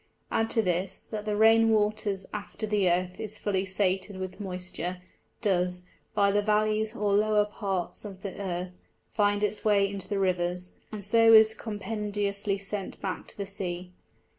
Add to this, that the Rain waters after the Earth is fully sated with moisture, does, by the Vallies or lower parts of the Earth, find its way into the Rivers, and so is compendiously sent back to the Sea.